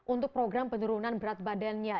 untuk program penurunan berat badannya